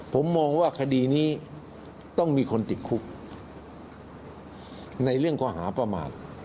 ผมมองว่าคดีนี้ต้องมีคนติดคุกในเรื่องข้อหาประมาท